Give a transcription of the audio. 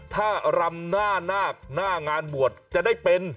ถ้ารำหน้างานบวชจะได้เป็น